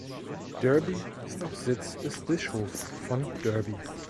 Derby ist auch Sitz des Bischofs von Derby.